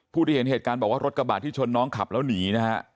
ที่เห็นเหตุการณ์บอกว่ารถกระบาดที่ชนน้องขับแล้วหนีนะฮะ